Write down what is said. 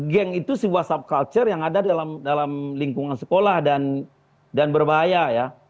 geng itu sebuah subkulture yang ada dalam lingkungan sekolah dan berbahaya ya